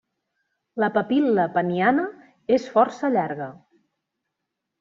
La papil·la peniana és força llarga.